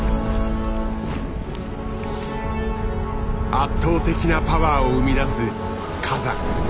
圧倒的なパワーを生み出す火山。